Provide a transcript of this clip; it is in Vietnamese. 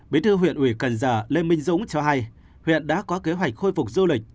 bí thư huyện ủy cần giờ lê minh dũng cho hay huyện đã có kế hoạch khôi phục du lịch